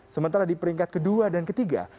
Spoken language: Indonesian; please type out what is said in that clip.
sementara di peringkat kedua dan ketiga